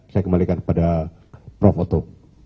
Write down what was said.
saya kembalikan kepada prof oto